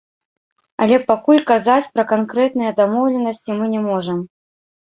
Але пакуль казаць пра канкрэтныя дамоўленасці мы не можам.